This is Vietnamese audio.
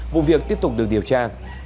vụ việc tiếp tục được điều tra